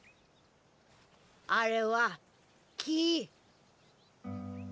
あれは「木」。